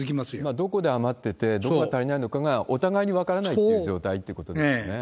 どこで余ってて、どこが足りないのかが、お互いに分からないという状態ということですよね。